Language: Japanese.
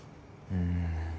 うん。